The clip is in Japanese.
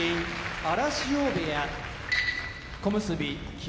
荒汐部屋小結・霧